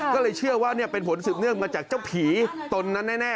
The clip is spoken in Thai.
ก็เลยเชื่อว่าเป็นผลสืบเนื่องมาจากเจ้าผีตนนั้นแน่